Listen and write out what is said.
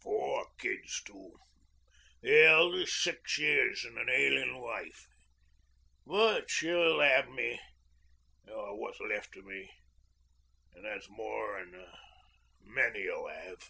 Four kids too, the eldest six years, an' an ailin' wife. But she'll 'ave me, or wot's left o' me; an' that's more'n a many'll 'ave.'